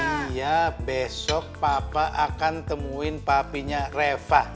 iya besok papa akan temuin papinya reva